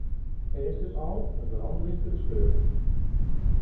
Er is dus al een verandering te bespeuren.